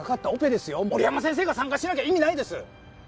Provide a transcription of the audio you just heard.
森山先生が参加しなきゃ意味ないです！